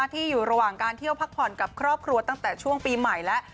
ที่อยู่ระหว่างการเที่ยวพักผ่อนกับครอบครัวตั้งแต่ช่วงปีใหม่แล้ว